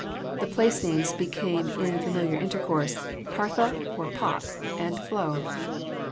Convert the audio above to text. The place names became in familiar intercourse "Parthe" or "Pop," and "Flo."